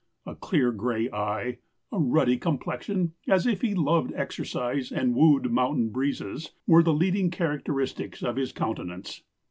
A clear gray eye, a ruddy complexion, as if he loved exercise and wooed mountain breezes, were the leading characteristics of his countenance.